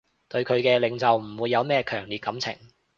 對佢嘅領袖唔會有咩強烈感情